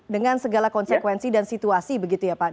dengan segala konsekuensi dan situasi begitu ya pak